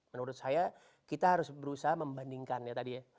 menurut saya kita harus berusaha membandingkan ya tadi ya